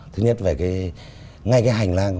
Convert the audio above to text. thứ nhất ngay cái hành lang